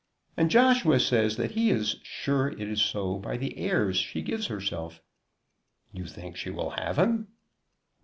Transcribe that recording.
And Joshua says that he is sure it is so by the airs she gives herself." "You think she'll have him?"